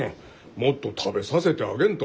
もっと食べさせてあげんと。